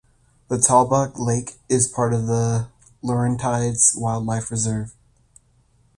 The Talbot Lake is part of the Laurentides Wildlife Reserve.